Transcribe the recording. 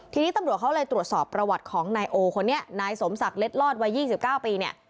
ทีนี้ตำรวจเขาเลยตรวจสอบประวัติของนายโอคนนี้นายสมศักดิ์เล็ดลอดวัย๒๙ปีเนี่ย